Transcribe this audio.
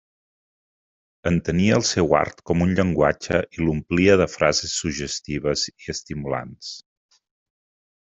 Entenia el seu art com un llenguatge i l'omplia de frases suggestives i estimulants.